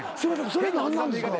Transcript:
それ何なんですか？